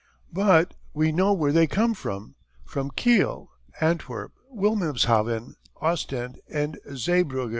But we know where they come from, from Kiel, Antwerp, Wilhelmshaven, Ostend, and Zeebrugge.